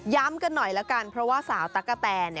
ย้ำกันหน่อยแล้วกันเพราะว่าสาวตะกะแตน